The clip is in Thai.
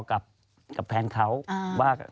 กับแฟนเค้า